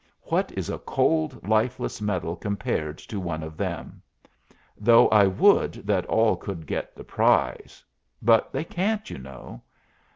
What is a cold, lifeless medal compared to one of them? Though I would that all could get the prize! But they can't, you know."